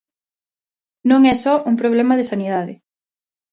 Non é só un problema de sanidade.